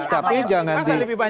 tapi jangan disampein